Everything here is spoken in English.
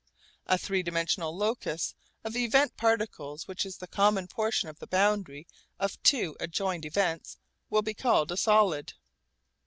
A three dimensional locus of event particles which is the common portion of the boundary of two adjoined events will be called a 'solid.'